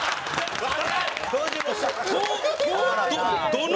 どの？